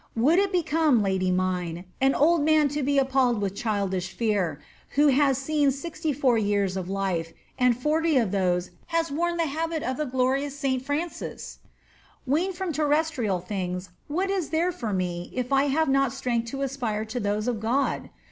would it become, lady mine, an old man to be appalled with childish fear, who has seen sixty four years of life, and forty of those has worn the habit of the glorious St. Francis t Weaned from terrestrial things, what is there for me if I have not strength to aspire to those of God